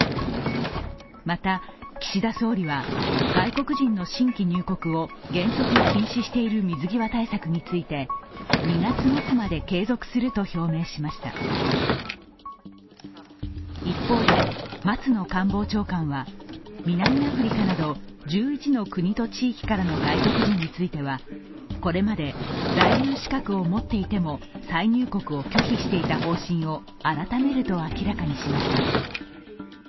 また、岸田総理は外国人の新規入国を原則禁止している水際対策について２月末まで継続すると表明しました一方で松野官房長官は南アフリカなど１１の国と地域の外国人についてはこれまで在留資格を持っていても再入国を拒否していた方針を改めると明らかにしました。